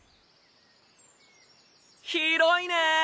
広いね！